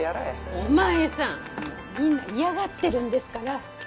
お前さんもうみんな嫌がってるんですから。